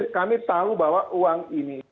kami tahu bahwa uang ini